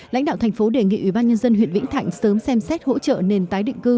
lãnh đạo thành phố đề nghị ủy ban nhân dân huyện vĩnh thạnh sớm xem xét hỗ trợ nền tái định cư